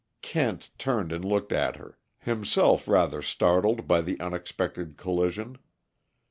Kent turned and looked at her, himself rather startled by the unexpected collision.